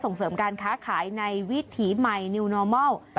สตรีมของเขาใช่ไหม